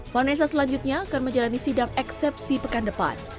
vanessa selanjutnya akan menjalani sidang eksepsi pekan depan